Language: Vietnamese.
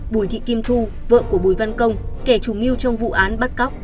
bùi thị kim thu vợ của bùi văn công kẻ chủ mưu trong vụ án bắt cóc